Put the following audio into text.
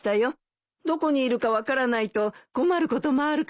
どこにいるか分からないと困ることもあるからね。